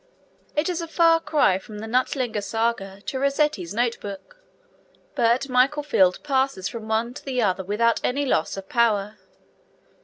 It is a far cry from the Knutlinga Saga to Rossetti's note book, but Michael Field passes from one to the other without any loss of power.